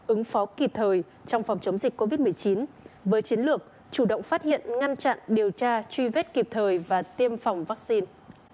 ứng phó kịp thời trong phòng chống dịch covid một mươi chín với chiến lược chủ động phát hiện ngăn chặn điều tra truy vết kịp thời và tiêm phòng vaccine